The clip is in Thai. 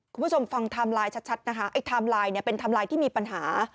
คุณผู้ชมฟังไทม์ไลน์ชัดไทม์ไลน์เป็นไทม์ไลน์ที่มีปัญหา